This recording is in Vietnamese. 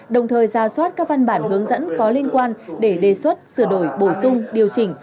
đồng thời ra soát các văn bản hướng dẫn có liên quan để đề xuất sửa đổi bổ sung điều chỉnh